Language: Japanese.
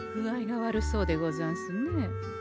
具合が悪そうでござんすね。